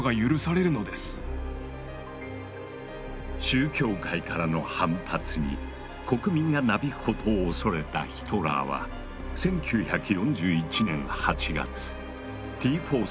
宗教界からの反発に国民がなびくことを恐れたヒトラーは１９４１年８月Ｔ４作戦の中止を命令。